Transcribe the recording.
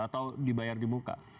atau dibayar di muka